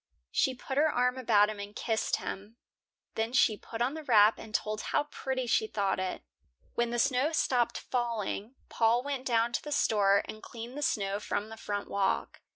She put her arm about him and kissed him. Then she put on the wrap and told how pretty she thought it. When the snow stopped falling, Paul went down to the store and cleaned the snow from the front walk.